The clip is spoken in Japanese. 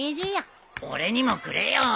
俺にもくれよ。